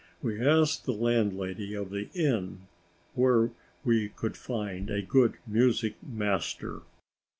We asked the landlady of the inn where we could find a good music master.